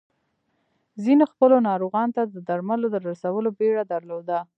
ځينو خپلو ناروغانو ته د درملو د رسولو بيړه درلوده.